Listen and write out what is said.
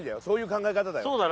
そういう考え方だよ。